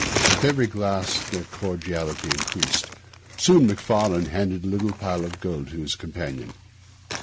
With every glass their cordiality increased. Soon Macfarlane handed a little pile of gold to his companion.